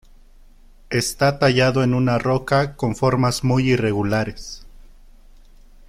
Está tallado en una roca con formas muy irregulares.